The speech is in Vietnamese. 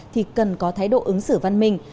thì cần có thái độ ứng xử văn minh